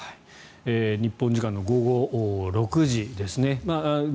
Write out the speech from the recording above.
日本時間の午後６時ですね。